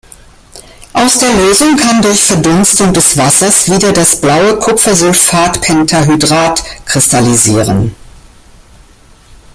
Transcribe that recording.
Aus der Lösung kann durch Verdunstung des Wassers wieder das blaue Kupfersulfat-Pentahydrat kristallisieren.